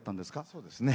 そうですね。